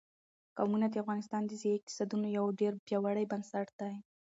قومونه د افغانستان د ځایي اقتصادونو یو ډېر پیاوړی بنسټ دی.